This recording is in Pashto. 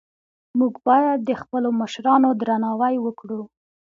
موږ باید د خپلو مشرانو درناوی وکړو